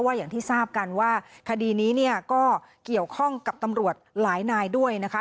อย่างที่ทราบกันว่าคดีนี้เนี่ยก็เกี่ยวข้องกับตำรวจหลายนายด้วยนะคะ